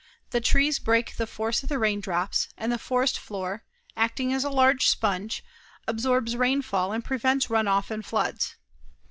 The trees break the force of the rain drops, and the forest floor, acting as a large sponge, absorbs rainfall and prevents run off and floods.